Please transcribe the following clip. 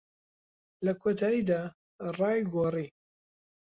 لە کۆتاییدا، ڕای گۆڕی.